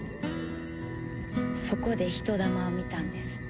そこで人魂を見たんです。